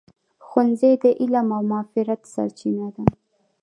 ښوونځی د علم او معرفت سرچینه ده.